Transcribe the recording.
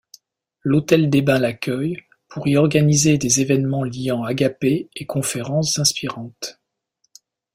L’hôtel des Bains l’accueille pour y organiser des événements liant agapés et conférences inspirantes.